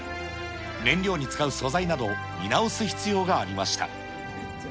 燃料に使う素材など、見直す必要がありました。